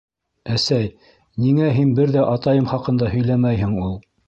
Әсәй, ниңә һин бер ҙә атайым хаҡында һөйләмәйһең ул?